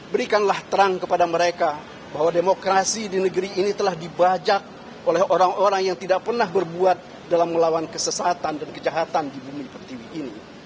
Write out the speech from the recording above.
berikanlah terang kepada mereka bahwa demokrasi di negeri ini telah dibajak oleh orang orang yang tidak pernah berbuat dalam melawan kesesatan dan kejahatan di bumi pertiwi ini